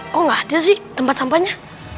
kok nggak ada sih tempat sampahnya